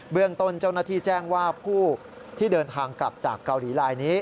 เรื่องต้นเจ้าหน้าที่แจ้งว่าผู้ที่เดินทางกลับจากเกาหลีลายนี้